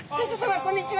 こんにちは！